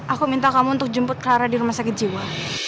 aku minta kamu untuk jemput ke arah di rumah sakit jiwa